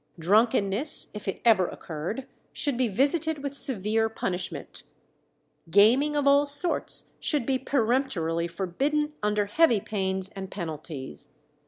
Drunkenness, if it ever occurred, should be visited with severe punishment; gaming of all sorts should be peremptorily forbidden under heavy pains and penalties.